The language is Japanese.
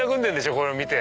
これを見て。